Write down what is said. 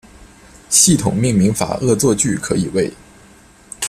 系统命名法恶作剧可以为